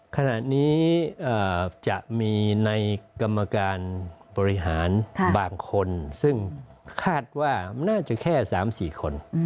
ขณะนี้จะมีในกรรมการบริหารบางคนซึ่งคาดว่าน่าจะแค่๓๔คน